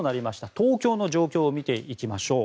東京の状況を見ていきましょう。